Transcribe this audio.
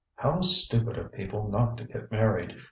ŌĆ£How stupid of people not to get married!